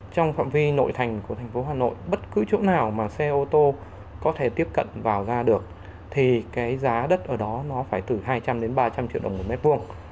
trong phạm vi nội thành của thành phố hà nội bất cứ chỗ nào mà xe ô tô có thể tiếp cận vào ra được thì cái giá đất ở đó nó phải từ hai trăm linh đến ba trăm linh triệu đồng một mét vuông